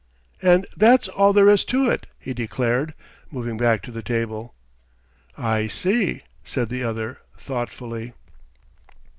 "And that's all there is to it," he declared, moving back to the table. "I see," said the other thoughtfully.